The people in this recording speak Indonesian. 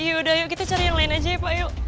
yaudah yuk kita cari yang lain aja ya pak yuk